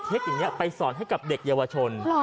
อย่างนี้ไปสอนให้กับเด็กเยาวชน